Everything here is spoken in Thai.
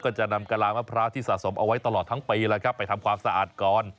จะนำกะลามะพร้าวที่สะสมเอาไว้ตลอดทั้งปีแล้วครับไปทำความสะอาดก่อน